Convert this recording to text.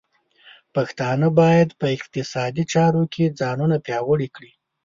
پښتانه بايد په اقتصادي چارو کې ځانونه پیاوړي کړي.